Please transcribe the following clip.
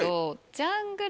ジャングル。